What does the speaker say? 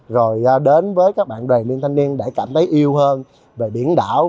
rồi đến với các bạn đời miên thanh niên để cảm thấy yêu hơn về biển đảo